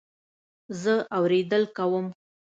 زه اورېدل کوم